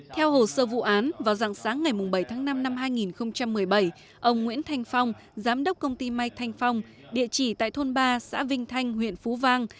theo hồ sơ vụ án vào dạng sáng ngày bảy tháng năm năm hai nghìn một mươi bảy ông nguyễn thanh phong giám đốc công ty may thanh phong địa chỉ tại thôn ba xã vinh thanh huyện phú vang